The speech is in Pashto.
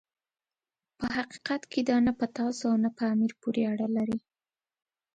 په حقیقت کې دا نه په تاسو او نه په امیر پورې اړه لري.